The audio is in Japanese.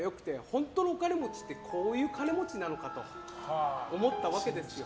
本当の金持ちってこういう金持ちなのかと思ったわけですよ。